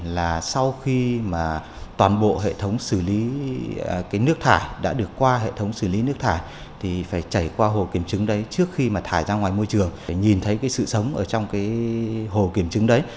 là sau khi mà toàn bộ hệ thống xử lý cái nước thải đã được qua hệ thống xử lý nước thải thì phải chảy qua hồ kiểm chứng đấy trước khi mà thải ra ngoài môi trường phải nhìn thấy cái sự sống ở trong cái hồ kiểm chứng đấy